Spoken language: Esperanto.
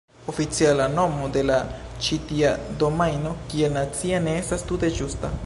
Oficiala nomo de ĉi tia domajno kiel "nacia" ne estas tute ĝusta.